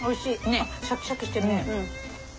あっシャキシャキしてるね。